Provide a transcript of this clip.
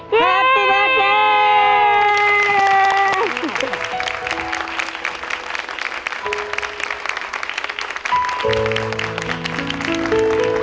แฮปปี้เวิร์ดเย้